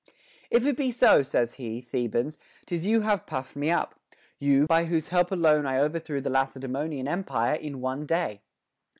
If it be so, says he, Thebans, 'tis you have puffed me up ; you, by whose help alone I overthrew the Lacedaemonian empire in one day.